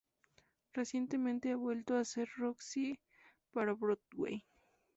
Recientemente ha vuelto a ser Roxie para Broadway.